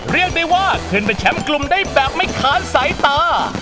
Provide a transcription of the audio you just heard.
เรียกได้ว่าขึ้นเป็นแชมป์กลุ่มได้แบบไม่ค้านสายตา